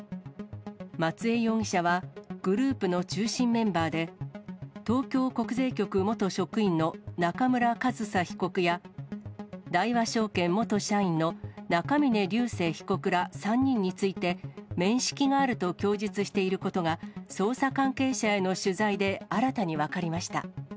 松江容疑者は、グループの中心メンバーで、東京国税局元職員の中村上総被告や、大和証券元社員の中峯竜晟被告ら、３人について、面識があると供述していることが、捜査関係者への取材で新たに分かりました。